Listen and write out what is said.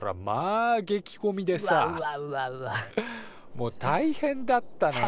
もう大変だったのよ。